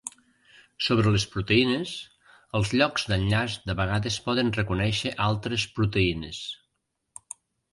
Sobre les proteïnes, els llocs d'enllaç de vegades poden reconèixer altres proteïnes.